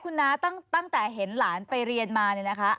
คุณน้ะตั้งแต่เห็นหลานไปเรียนมา